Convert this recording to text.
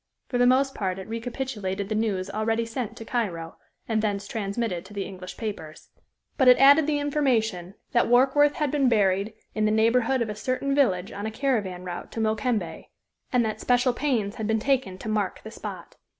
For the most part it recapitulated the news already sent to Cairo, and thence transmitted to the English papers. But it added the information that Warkworth had been buried in the neighborhood of a certain village on the caravan route to Mokembe, and that special pains had been taken to mark the spot.